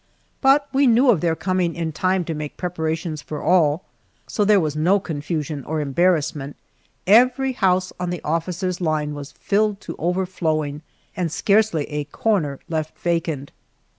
But we knew of their coming in time to make preparations for all, so there was no confusion or embarrassment. Every house on the officers' line was filled to overflowing and scarcely a corner left vacant.